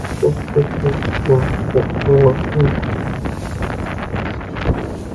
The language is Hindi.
...जब पत्नी अंजलि को लेटर लिखा करते थे सचिन तेंदुलकर